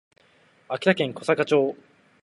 秋田県小坂町